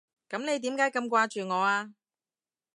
噉你點解咁掛住我啊？